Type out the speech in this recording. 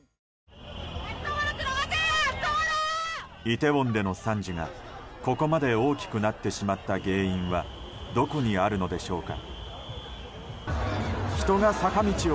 イテウォンでの惨事がここまで大きくなってしまった原因はどこにあるのでしょうか。